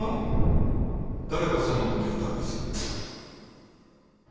誰がそんな事を言ったんです？